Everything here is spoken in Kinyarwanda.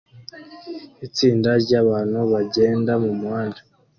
Itsinda ryabantu bagenda mumuhanda